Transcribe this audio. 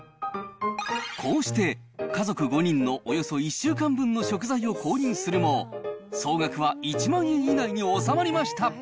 こうして家族５人のおよそ１週間分の食材を購入するも、総額は１万円以内に収まりました。